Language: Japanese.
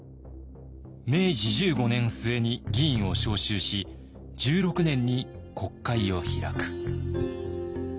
明治十五年末に議員を召集し十六年に国会を開く」。